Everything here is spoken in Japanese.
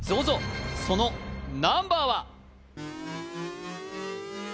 そのナンバーは？